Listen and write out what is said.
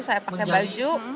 saya pakai baju